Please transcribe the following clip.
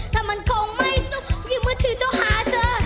แต่มันคงไม่ซุบอยู่เมื่อถือเจ้าหาเธอ